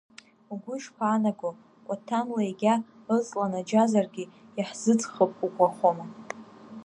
Угәы ишԥаанаго, кәаҭанла егьа иҵланаџьазаргьы иаҳзыҵхып угәахәуама?